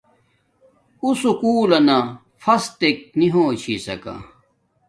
اُُّو سُکول لنا اف سنٹ نی ہو چھسکا